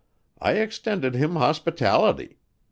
I extended him hospitality.